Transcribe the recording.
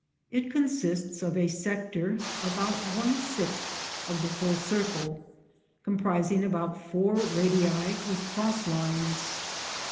It consists of a sector—about one sixth of the full circle—comprising about four radii with cross lines.